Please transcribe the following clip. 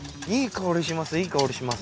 いい香りします。